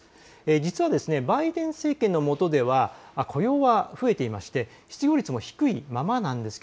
実はバイデン政権の下では雇用は増えていまして失業率も低いままなんです。